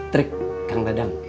trik kang dadang